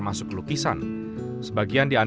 ada di kursi sekolah ada di kursi luar